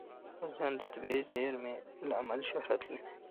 افغانستان د طبیعي زیرمې له امله شهرت لري.